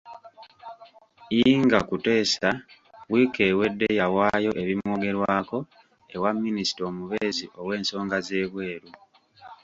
Ingah Kuteesa wiiki ewedde yawaayo ebimwogerwako ewa Minisita omubeezi ow'ensonga z'ebweru .